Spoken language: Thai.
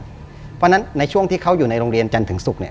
เพราะฉะนั้นในช่วงที่เขาอยู่ในโรงเรียนจันทร์ถึงศุกร์เนี่ย